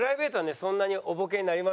そんなにおボケになりませんからね。